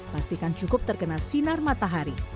pastikan cukup terkena sinar matahari